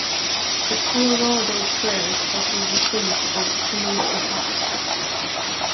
The Colorado Trail crosses the summit of Kenosha Pass.